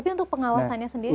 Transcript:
tapi untuk pengawasannya sendiri